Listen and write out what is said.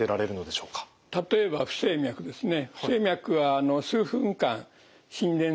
例えば不整脈ですね。